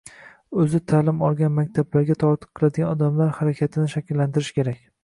o‘zi ta’lim olgan maktablarga tortiq qiladigan odamlar harakatini shakllantirish kerak.